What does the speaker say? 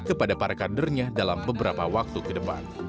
kepada para kadernya dalam beberapa waktu ke depan